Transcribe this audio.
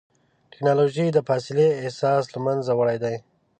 ټکنالوجي د فاصلې احساس له منځه وړی دی.